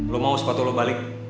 lo mau spot lo balik